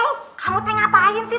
kamu teh ngapain sih